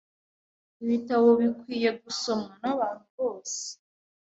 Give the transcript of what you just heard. Ibitabo bikwiye gusomwa n abantu bose